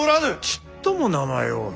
ちっとも名前を。